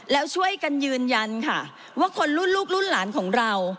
แล้วช่วยกันยืนยันค่ะว่าคนรุ่นลูกรุ่นหลานของเรา